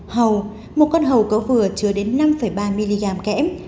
hầu một con hầu có vừa chứa đến năm ba mg kẽm